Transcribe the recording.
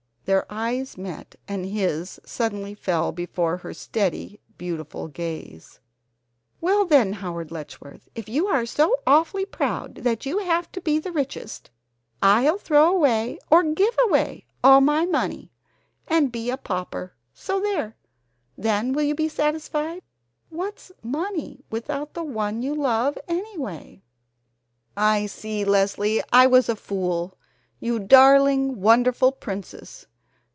Their eyes met and his suddenly fell before her steady, beautiful gaze: "Well, then, Howard Letchworth, if you are so awfully proud that you have to be the richest, I'll throw away or give away all my money and be a pauper, so there! Then will you be satisfied? What's money without the one you love, anyway?" "I see, Leslie! I was a fool. You darling, wonderful princess.